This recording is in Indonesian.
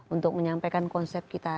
untuk menyampaikan konsep kita